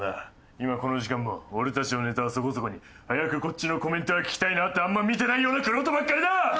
今この時間も俺たちのネタはそこそこに早くこっちのコメントが聞きたいなってあんまり見てないような玄人ばっかりだ！